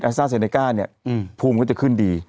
อืมพรูมก็จะขึ้นดี